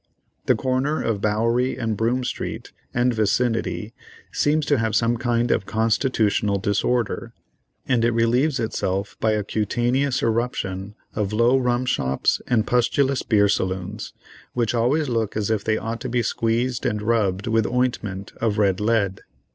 The corner of Bowery and Broome Street and vicinity seems to have some kind of a constitutional disorder, and it relieves itself by a cutaneous eruption of low rum shops and pustulous beer saloons, which always look as if they ought to be squeezed and rubbed with ointment of red lead.